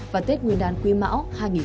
và tết nguyên đàn quy mão